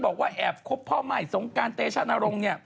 บอกว่าแอบคบพ่อใหม่สงการเตชะนรงค์เนี่ย